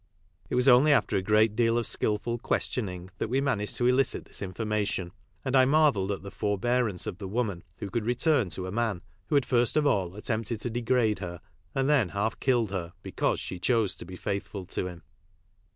It was only after a great deal of skilful questioning that we managed to elicit this information, and I marvelled at the forbearance of the woman who could return to a man who had first of all attempted to degrade her, and then half killed her because she chose to be faithful to him.